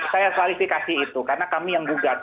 saya klarifikasi itu karena kami yang gugat